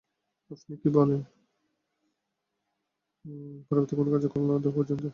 পরবর্তী কোনো কাজের কল না দেওয়া পর্যন্ত।